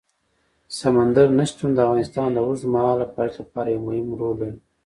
سمندر نه شتون د افغانستان د اوږدمهاله پایښت لپاره یو مهم رول لري.